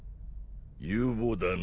有望だな。